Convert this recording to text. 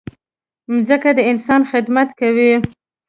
مځکه د انسان خدمت کوي.